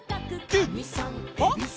ギュッ！